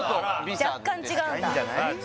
若干違うんださあ